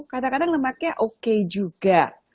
kadang kadang lemaknya oke juga